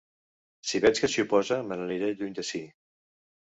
Si veig que s'hi oposa, me n'aniré lluny d'ací.